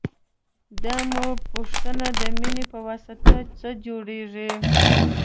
دا مه پوښته د مینې پواسطه څه جوړېږي.